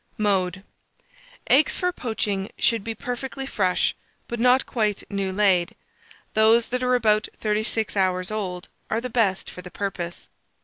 Mode. Eggs for poaching should be perfectly fresh, but not quite new laid; those that are about 36 hours old are the best for the purpose.